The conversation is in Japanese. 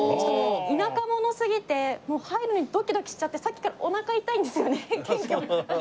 田舎者すぎて入るのにドキドキしちゃってさっきからお腹痛いんですよね。